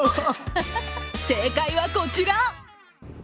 正解はこちら。